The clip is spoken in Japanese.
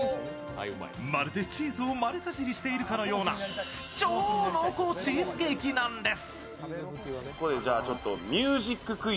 まるでチーズを丸かじりしているかのような超濃厚チーズケーキなんです。